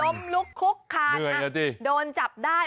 ล้มลุกคลุกขาดโดนจับได้